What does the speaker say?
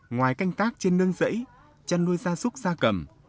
ngoài canh tác trên nương rẫy chăn nuôi da súc da cầm